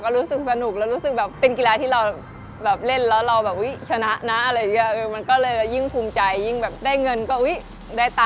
ก็รู้สึกสนุกแล้วรู้สึกแบบเป็นกีฬาที่เราเล่นแล้วเราแบบอุ๊ยชนะนะอะไรอย่างนี้ค่ะ